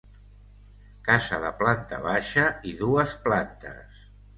Casa de planta baixa i dues plantes.